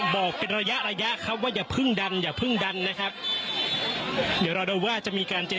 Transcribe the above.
บอกเป็นระยะระยะครับว่าอย่าเพิ่งดันอย่าเพิ่งดันนะครับเดี๋ยวเราดูว่าจะมีการเจ